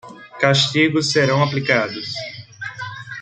Castigos serão aplicados